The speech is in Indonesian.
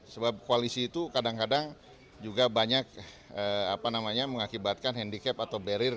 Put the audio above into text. sebab koalisi itu kadang kadang juga banyak mengakibatkan handicap atau barrier